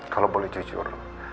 kalau boleh jujur